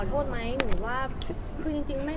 คุณให้ถามว่าขอโทษไหม